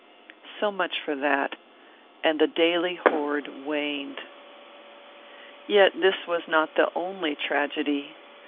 So much for that. And daily the hoard waned. Yet his was not the only tragedy.